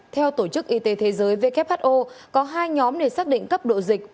theo tổ chức y tế thế giới who có hai nhóm để xác định cấp độ dịch